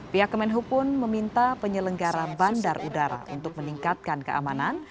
pihak kemenhub pun meminta penyelenggara bandar udara untuk meningkatkan keamanan